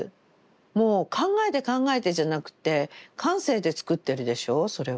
もう考えて考えてじゃなくて感性でつくってるでしょうそれは。